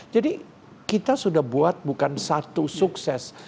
jadi kita sudah buat bukan satu sukses